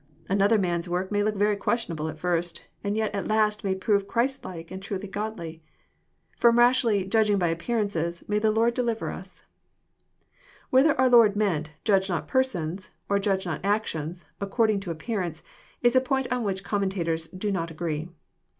Another man's work may look very questionable at first, and yet at last may prove Christ like and truly godly. From rashly "judging by appearances" may the Lord deliver us I Whether our Lord meant "judge not persons," or "judge not actions," according to appearance,"1[& a point on which*' Com mentators do not agree.